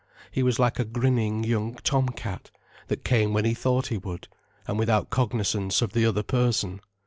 He was like a grinning young tom cat, that came when he thought he would, and without cognizance of the other person.